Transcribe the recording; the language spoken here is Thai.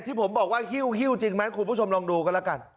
ที่ผมบอกว่าหิ้วจริงไหมคุณผู้ชมลองดูกันแล้วกัน